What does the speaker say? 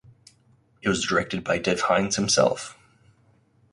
It was directed by Dev Hynes himself.